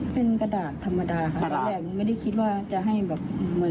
เป็นกระดาษธรรมดาแต่หนูไม่ได้คิดว่าจะให้แบบ